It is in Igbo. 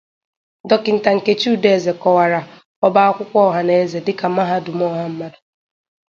Dọkịta Nkechi Udeze kọwara ọba akwụkwọ ọhaneze dịka mahadum ọha mmadụ